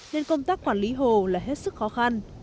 nên công tác quản lý hồ là hết sức khó khăn